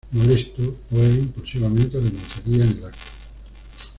Molesto, Poe impulsivamente renunciaría en el acto.